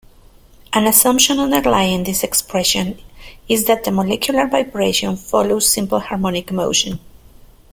An assumption underlying these expressions is that the molecular vibration follows simple harmonic motion.